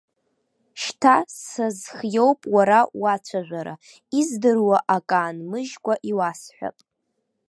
Шьҭа сазхиоуп уара уацәажәара, издыруа ак аанмыжькәа иуасҳәап.